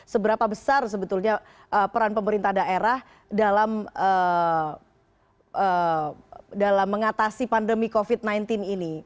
seberapa besar sebetulnya peran pemerintah daerah dalam mengatasi pandemi covid sembilan belas ini